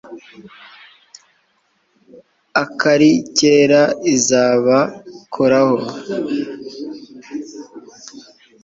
akalikera izabakoraho